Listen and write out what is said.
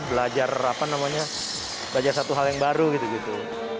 belajar apa namanya belajar satu hal yang baru gitu gitu